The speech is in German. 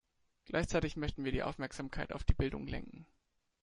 Gleichzeitig möchten wir die Aufmerksamkeit auf die Bildung lenken.